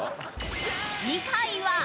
次回は。